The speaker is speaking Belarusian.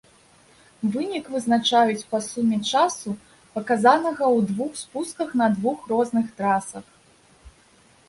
Вынік вызначаюць па суме часу, паказанага ў двух спусках на двух розных трасах.